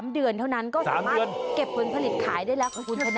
๓เดือนเท่านั้นก็สามารถเก็บผลผลิตขายได้แล้ว